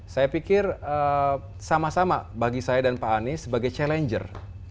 saya pikir sama sama bagi saya dan pak anies sebagai challenger